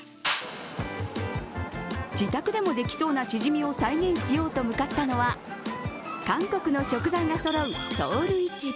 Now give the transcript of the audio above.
自宅でもできそうなチヂミを再現しようと向かったのは韓国の食材がそろうソウル市場。